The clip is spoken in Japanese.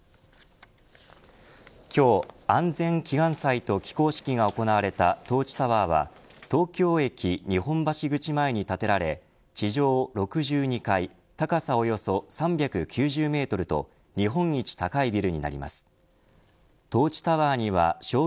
今日、安全祈願祭と起工式が行われたトーチタワーは東京駅日本橋口前に建てられ地上６２階、高さおよそ３９０メートルとそれビール？